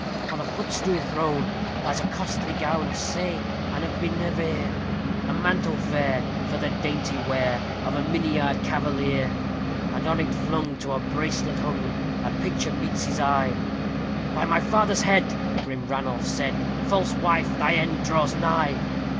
On a footstool thrown, lies a costly gown of saye and of minevere A mantle fair for the dainty wear of a migniard cavalier, And on it flung, to a bracelet hung, a picture meets his eye; "By my father's head!" grim Ranulph said, "false wife, thy end draws nigh."